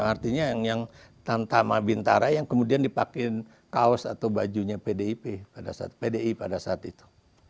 artinya yang tantama bintara yang kemudian dipakai kaos atau bajunya pdi pada saat itu